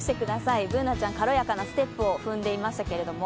Ｂｏｏｎａちゃん、軽やかなステップを踏んでいましたけれども。